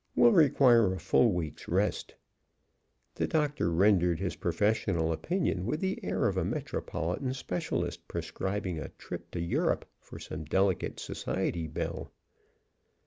Will require a full week's rest." The doctor rendered his professional opinion with the air of a metropolitan specialist prescribing a trip to Europe for some delicate society belle.